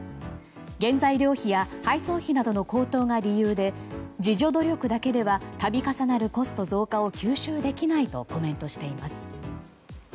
原材料費や配送費などの高騰が理由で自助努力だけでは度重なるコスト増加を吸収できないとコメントしています。